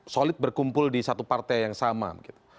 solid berkumpul di satu partai yang sama gitu